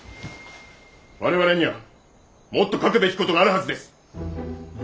我々にはもっと書くべき事があるはずです！